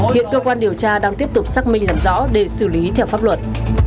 hiện cơ quan điều tra đang tiếp tục xác minh làm rõ để xử lý theo pháp luật